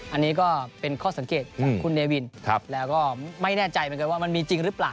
อันนี้ก็เป็นข้อสังเกตจากคุณเนวินแล้วก็ไม่แน่ใจเหมือนกันว่ามันมีจริงหรือเปล่า